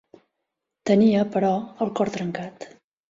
Tenia, però, el cor trencat.